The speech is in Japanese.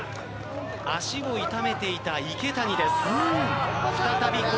足を痛めていた池谷です。